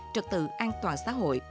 trật tự an toàn xã hội